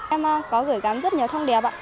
em có gửi gắm rất nhiều thông điệp